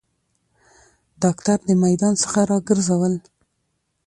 داکتر د میدان څخه راګرځول